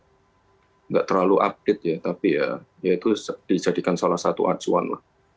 tadi agak tidak terlalu update ya tapi ya itu dijadikan salah satu acuan lah